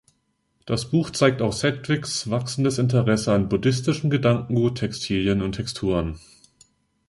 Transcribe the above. Das Buch zeigt auch Sedgwicks wachsendes Interesse an buddhistischem Gedankengut, Textilien und Texturen.